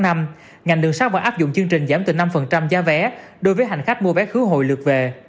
ngành đường sắt vẫn áp dụng chương trình giảm từ năm giá vé đối với hành khách mua vé khứa hội lượt về